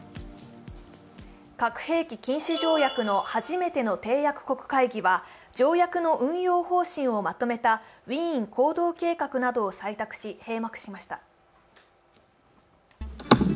核兵器禁止条約の初めての締約国会議は条約の運用方針をまとめたウィーン行動計画などを採択し、閉幕しました。